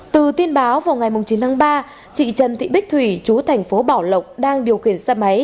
từ tin báo vào ngày chín tháng ba chị trần thị bích thủy chú thành phố bảo lộc đang điều khiển xe máy